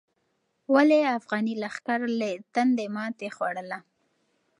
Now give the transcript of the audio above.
ولې افغاني لښکر له تندې ماتې خوړله؟